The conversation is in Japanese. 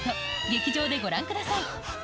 劇場でご覧ください。